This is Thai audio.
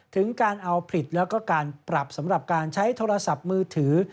ถึงการเอาผิดแล้วก็การปรับสำหรับการใช้โทรศัพท์มือถือ